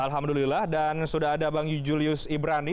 alhamdulillah dan sudah ada bang julius ibrani